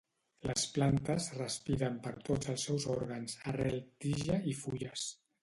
Les plantes respiren per tots els seus òrgans: arrel, tija i fulles.